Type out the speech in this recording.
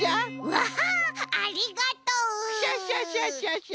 ワハありがとう！クシャシャシャシャシャ。